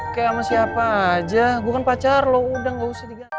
kayak sama siapa aja gue kan pacar lo udah gak usah diganti